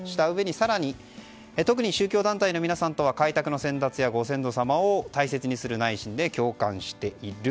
更に、特に宗教団体の皆さんとは開拓の先達やご先祖様を大切にする内心で共感している。